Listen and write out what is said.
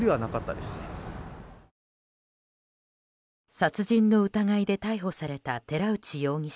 殺人の疑いで逮捕された寺内容疑者。